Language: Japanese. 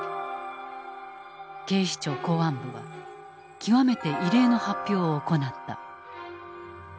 警視庁公安部は極めて異例の発表を行った。